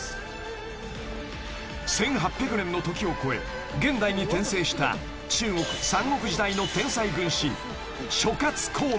［１，８００年の時を超え現代に転生した中国三国時代の］